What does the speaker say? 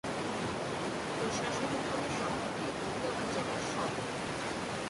প্রশাসনিকভাবে শহরটি পটিয়া উপজেলার সদর।